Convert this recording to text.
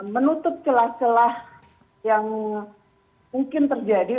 menutup celah celah yang mungkin terjadi